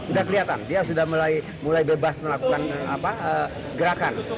sudah kelihatan dia sudah mulai bebas melakukan gerakan